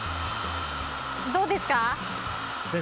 どうですか？